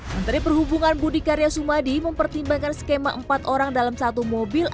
menteri perhubungan budi karya sumadi mempertimbangkan skema empat orang dalam satu mobil